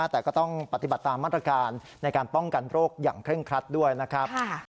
แต่ก็ต้องปฏิบัติตามมาตรการในการป้องกันโรคอย่างเคร่งครัดด้วยนะครับ